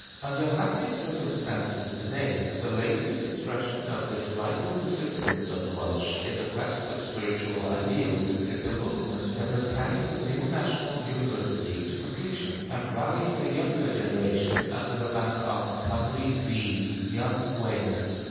Under happier conditions to day, the latest expression of this vital persistence of the Welsh in the quest of spiritual ideals is the movement that has carried the new national university to completion, and rallied the younger generation under the banner of "Cymru Fydd" (Young Wales).